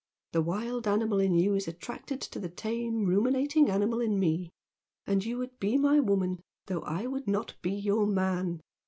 The wild animal in you is attracted to the tame, ruminating animal in me, and you would be my woman, though I would not be your man.